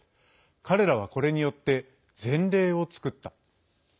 彼らはこれによって前例を作った。